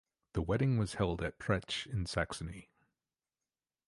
The wedding was held at Pretzsch in Saxony.